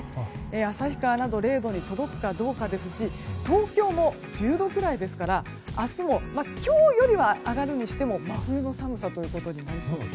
旭川など０度に届くかどうかですし東京も１０度くらいですから明日も今日よりは上がるにしても真冬の寒さとなりそうです。